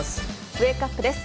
ウェークアップです。